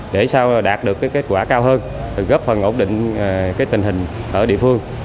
để sao đạt được kết quả cao hơn góp phần ổn định tình hình ở địa phương